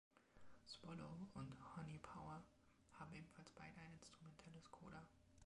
„Swallow“ und „Honey Power“ haben ebenfalls beide ein instrumentelles Koda.